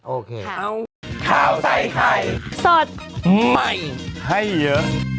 โอเค